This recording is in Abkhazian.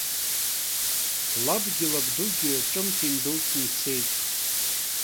Лабгьы лабдугьы ҿымҭ индәылҵны ицеит.